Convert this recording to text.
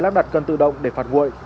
lắp đặt cân tự động để phản nguội